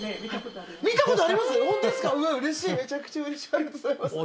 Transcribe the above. ありがとうございます。